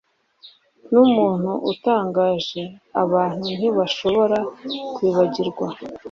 numuntu utangaje, abantu ntibashobora kwibagirwa